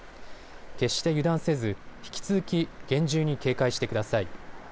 決して油断せず、引き続き厳重に警戒してください。